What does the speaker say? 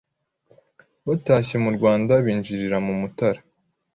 batashye mu Rwanda binjirira mu Mutara